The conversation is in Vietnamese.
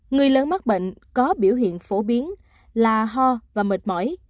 người lớn mắc bệnh có biểu hiện phổ biến là ho và mệt mỏi